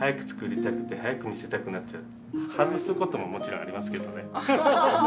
外すことももちろんありますけどね。